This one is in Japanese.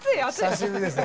久しぶりですね。